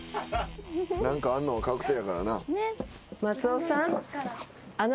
何かあるのは確定やからな。